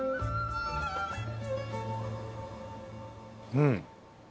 うん。